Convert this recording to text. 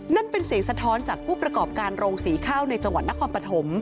นั่นเป็นเสียงสะท้อนจากผู้ประกอบการโรงสีข้าวในจังหวัดนครปฐม